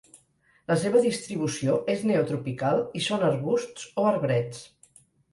La seva distribució és neotropical i són arbusts o arbrets.